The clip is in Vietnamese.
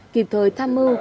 kịp thời tham mưu